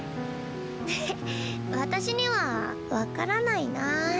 えへっ私には分からないなあ。